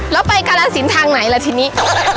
แล้วไปกาลสินทางไหนล่ะทีนี้